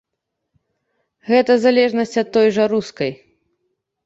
Гэта залежнасць ад той жа рускай.